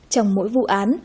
trong mỗi vụ án